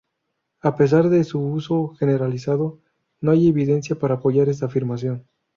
A pesar de su uso generalizado, no hay evidencia para apoyar esta afirmación.